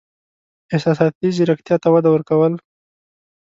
احساساتي زیرکتیا ته وده ورکول: